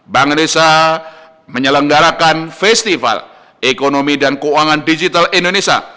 bank indonesia menyelenggarakan festival ekonomi dan keuangan digital indonesia